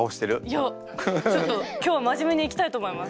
いやちょっと今日は真面目にいきたいと思います。